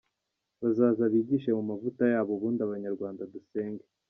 Bazaza bigishe mu mavuta yabo ubundi abanyarwanda dusenge.